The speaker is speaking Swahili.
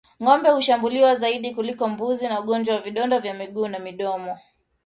Ngombe hushambuliwa zaidi kuliko mbuzi na ugonjwa wa vidonda vya miguu na midomo